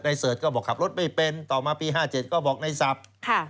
เสิร์ชก็บอกขับรถไม่เป็นต่อมาปี๕๗ก็บอกในศัพท์